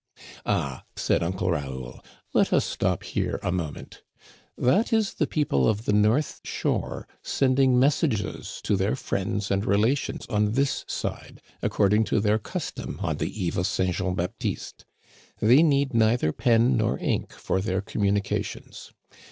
Ah," said Uncle Raoul, " let us stop here a mo ment That is the people of the north shore sending messages to their friends and relations on this side, ac cording to their custom on the eve of St. Jean Bap tiste. They need neither pen nor ink for their com munications.